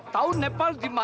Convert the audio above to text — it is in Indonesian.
tau nepal gimana